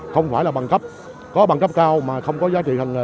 không phải là bằng cấp có bằng cấp cao mà không có giá trị hành nghề